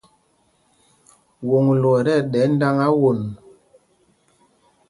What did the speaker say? Woŋglo ɛ́ tí ɛɗɛ́ ndāŋā won.